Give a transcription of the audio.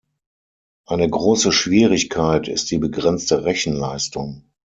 Eine große Schwierigkeit ist die begrenzte Rechenleistung.